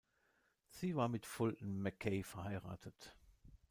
Sie war mit Fulton Mackay verheiratet.